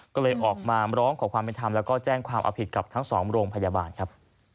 ก็เลยออกมาร้องขอความเป็นธรรมแล้วก็แจ้งความเอาผิดกับทั้งสองโรงพยาบาลครับ